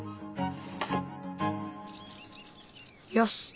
よし。